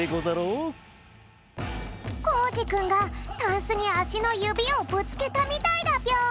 コージくんがタンスにあしのゆびをぶつけたみたいだぴょん！